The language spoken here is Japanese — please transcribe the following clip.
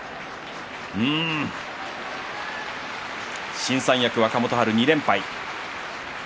新三役、若元春２連敗。